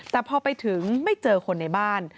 แต่พอไปถึงไม่เจอคนในบ้าน